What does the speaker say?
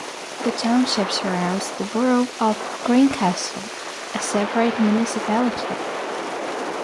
The township surrounds the borough of Greencastle, a separate municipality.